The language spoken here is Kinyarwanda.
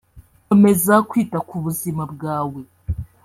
Komeza kwita ku buzima bwawe